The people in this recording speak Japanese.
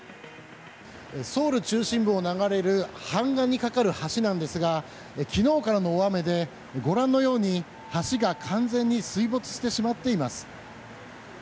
ソウル中心部を流れるハンガンに架かる橋なんですが昨日からの大雨で、ご覧のように橋が完全に水没してしまっています。